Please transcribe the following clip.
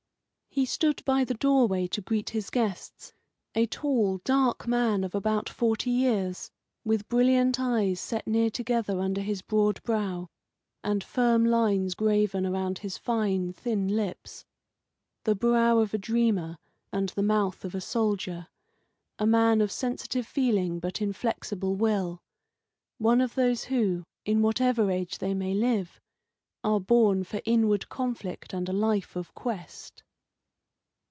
He stood by the doorway to greet his guests a tall, dark man of about forty years, with brilliant eyes set near together under his broad brow, and firm lines graven around his fine, thin lips; the brow of a dreamer and the mouth of a soldier, a man of sensitive feeling but inflexible will one of those who, in whatever age they may live, are born for inward conflict and a life of quest.